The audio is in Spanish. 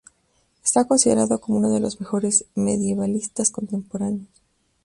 Está considerado como uno de los mejores medievalistas contemporáneos.